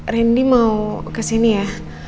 randy mau kesini ya